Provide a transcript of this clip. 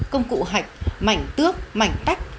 công cụ hạch mảnh tước mảnh tách